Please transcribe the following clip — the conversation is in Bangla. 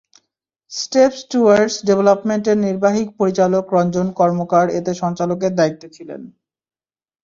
স্টেপস টুয়ার্ডস ডেভেলপমেন্টের নির্বাহী পরিচালক রঞ্জন কর্মকার এতে সঞ্চালকের দায়িত্বে ছিলেন।